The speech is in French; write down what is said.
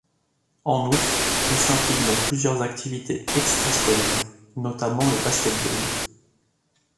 En outre, il s'implique dans plusieurs activités extrascolaires, notamment le basket-ball.